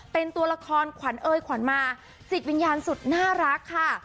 เป็นตัวละครขวัญเอยขวัญมาจิตวิญญาณสุดน่ารักค่ะ